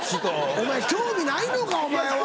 お前興味ないのかお前は！